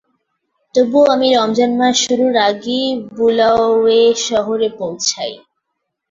তবুও আমি রমজান মাস শুরুর আগেই বুলাওয়ে শহরে পৌঁছাই।